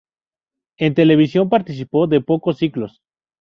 En televisión participó de pocos ciclos.